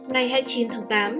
ngày hai mươi chín tháng tám